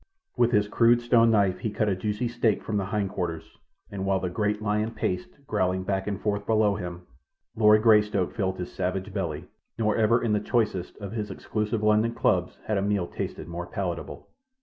With his crude stone knife he cut a juicy steak from the hindquarters, and while the great lion paced, growling, back and forth below him, Lord Greystoke filled his savage belly, nor ever in the choicest of his exclusive London clubs had a meal tasted more palatable.